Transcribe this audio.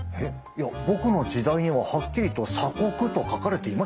いや僕の時代にははっきりと「鎖国」と書かれていましたよ！